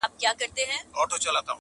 هیله پوره د مخلص هره سي چي.